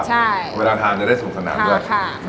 ใช่เวลาทานจะได้สูดศนาดื่อครับค่ะ